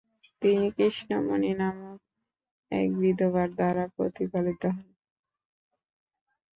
তিনি কৃষ্ণমণি নামক এক বিধবার দ্বারা প্রতিপালিত হন।